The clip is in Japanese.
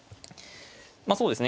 まあそうですね